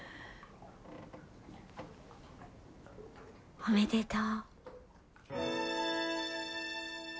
おめでとう。